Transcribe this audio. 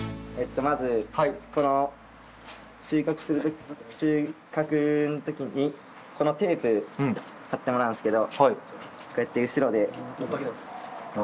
まずこの収穫の時にこのテープ貼ってもらうんすけどこうやって後ろで巻いて。